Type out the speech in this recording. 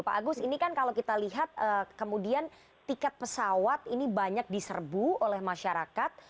pak agus ini kan kalau kita lihat kemudian tiket pesawat ini banyak diserbu oleh masyarakat